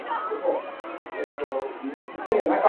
He started playing the guitar during his high school years.